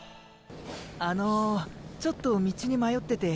あのちょっと道に迷ってて。